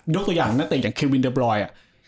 ตัวอย่างนักเตะอย่างเควินเดอร์บรอย